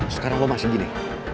sekarang lo masih gini